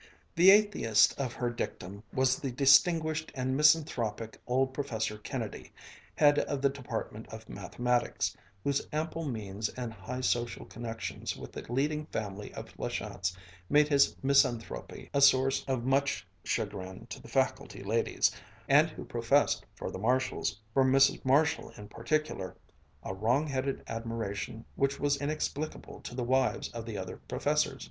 The atheist of her dictum was the distinguished and misanthropic old Professor Kennedy, head of the Department of Mathematics, whose ample means and high social connections with the leading family of La Chance made his misanthropy a source of much chagrin to the faculty ladies, and who professed for the Marshalls, for Mrs. Marshall in particular, a wrong headed admiration which was inexplicable to the wives of the other professors.